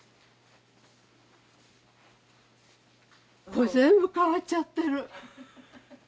これ全部変わっちゃってる色が。